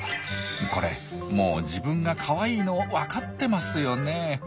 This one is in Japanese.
これもう自分がかわいいの分かってますよね。